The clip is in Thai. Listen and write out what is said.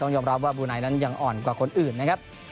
ยอมรับว่าบูไนนั้นยังอ่อนกว่าคนอื่นนะครับ